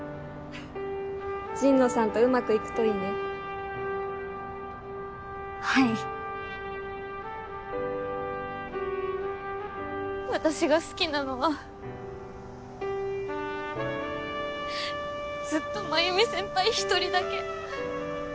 神野さんとうまくいくといいねはい私が好きなのはずっと繭美先輩１人だけ。